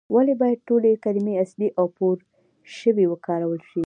ولې باید ټولې کلمې اصلي او پورشوي وکارول شي؟